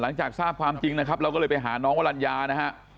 หลังจากทราบความจริงนะครับเราก็เลยไปหาน้องวรรณญานะฮะ